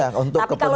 iya untuk kepentingan